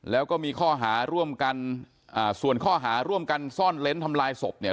แล้วก็มีข้อหาร่วมกันอ่าส่วนข้อหาร่วมกันซ่อนเล้นทำลายศพเนี่ย